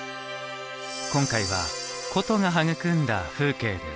今回は「古都が育んだ風景」です。